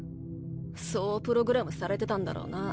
そうプログラムされてたんだろうな。